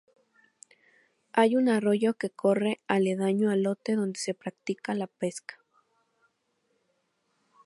Hay un arroyo que corre aledaño al lote donde se practica la pesca.